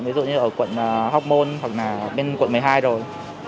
ví dụ như ở quận hoc mon hoặc là bên quận một mươi hai rồi